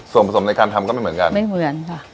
ส่วนผสมในการทำก็ไม่เหมือนกันไม่เหมือนค่ะ